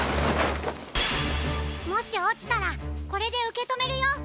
もしおちたらこれでうけとめるよ！